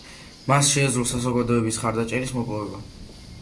მან შესძლო საზოგადოების მხარდაჭერის მოპოვება.